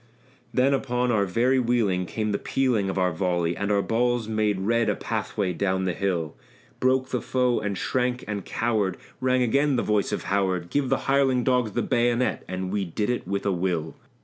Then upon our very wheeling came the pealing of our volley, And our balls made red a pathway down the hill; Broke the foe and shrank and cowered; rang again the voice of Howard "Give the hireling dogs the bayonet!" and we did it with a will.